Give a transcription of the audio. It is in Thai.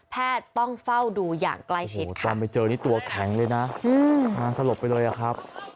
แพทย์ต้องเฝ้าดูอย่างใกล้ชิดค่ะ